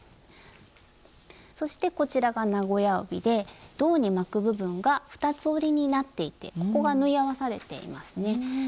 そしてこちらが名古屋帯で胴に巻く部分が二つ折りになっていてここが縫い合わされていますね。